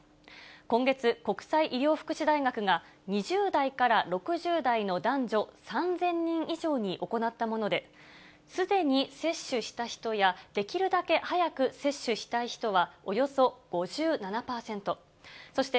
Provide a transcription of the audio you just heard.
今月、国際医療福祉大学が、２０代から６０代の男女３０００人以上に行ったもので、すでに接種した人や、できるだけ早く接種したい人はおよそ５７％、そして、